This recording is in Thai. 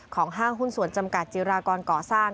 ห้างหุ้นส่วนจำกัดจิรากรก่อสร้าง